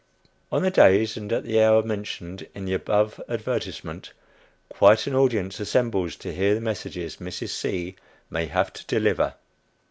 On the days and at the hour mentioned in the above advertisement, quite an audience assembles to hear the messages Mrs. C. may have to deliver.